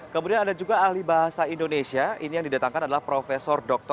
kemudian ada juga ahli bahasa indonesia ini yang didatangkan adalah prof dr